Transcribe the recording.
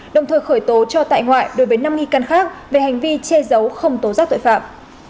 đồng thời khởi tố cho tại ngoại đối với năm nghi can khác về hành vi che giấu không tố giác tội phạm